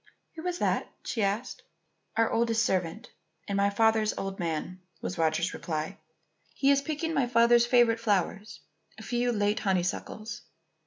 "Who is that?" she asked. "Our oldest servant, and my father's own man," was Roger's reply. "He is picking my father's favourite flowers, a few late honeysuckles."